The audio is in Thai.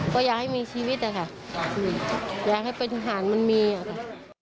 ก็อยากให้มีชีวิตอะค่ะอยากให้ปฏิหารมันมีอะค่ะ